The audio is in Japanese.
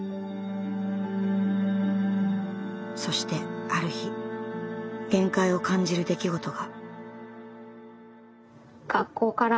そしてある日限界を感じる出来事が。